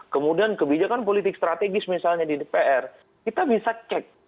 kemudian kebijakan politik strategis misalnya di dpr kita bisa cek